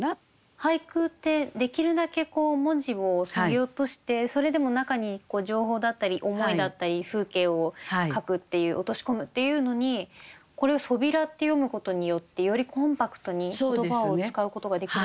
俳句ってできるだけ文字をそぎ落としてそれでも中に情報だったり思いだったり風景を書くっていう落とし込むっていうのにこれを「そびら」って読むことによってよりコンパクトに言葉を使うことができるんだなと学びました。